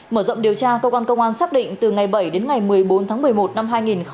mở rộng điều tra cơ quan công an xác định từ ngày bảy đến ngày một mươi bốn tháng một mươi một năm hai nghìn hai mươi ba